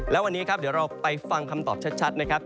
แล้ววันนี้ครับเดี๋ยวเราไปฟังคำตอบชัดนะครับ